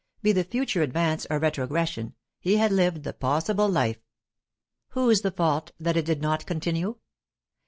Be the future advance or retrogression, he had lived the possible life. Whose the fault that it did not continue?